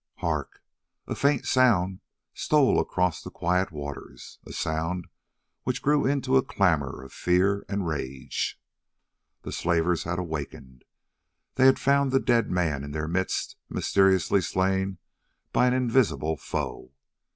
Hark! a faint sound stole across the quiet waters, a sound which grew into a clamour of fear and rage. The slavers had awakened, they had found the dead man in their midst mysteriously slain by an invisible foe.